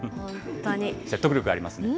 説得力ありますね。